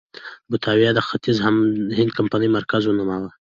باتاویا یې د ختیځ هند کمپنۍ مرکز ونوماوه.